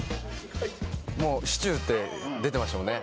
もう「シチュー」って出てましたもんね